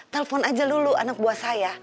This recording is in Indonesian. telepon aja dulu anak buah saya